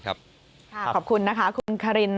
ขอบคุณนะครับคุณคริน